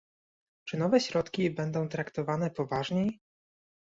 Czy nowe środki będą traktowane poważniej?